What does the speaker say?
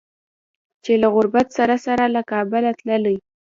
چې له غربت سره سره له کابله تللي